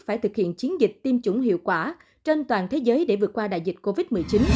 phải thực hiện chiến dịch tiêm chủng hiệu quả trên toàn thế giới để vượt qua đại dịch covid một mươi chín